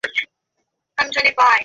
অশ্বারোহীদ্বয় থমকে দাঁড়ায়।